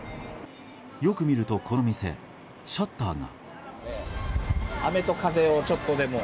よく見ると、この店シャッターが。